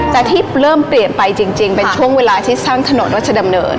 แต่ที่เริ่มเปลี่ยนไปจริงเป็นช่วงเวลาที่สร้างถนนรัชดำเนิน